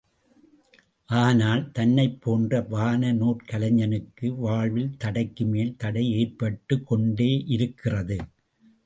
ஆனால், தன்னைப் போன்ற வான நூற்கலைஞனுக்கு, வாழ்வில் தடைக்கு மேல் தடை ஏற்பட்டுக் கொண்டேயிருக்கிறது.